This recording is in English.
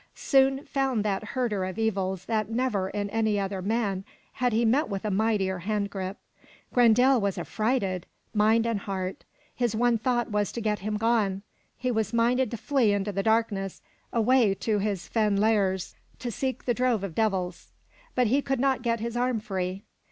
Soon found that herder of evils that never in any other man had he met with a mightier hand grip. Grendel was affrighted, mind and heart. His one thought was to get him gone; he was minded to flee into the darkness, away to his fen lairs, to seek the drove of devils. But he could not get his arm free.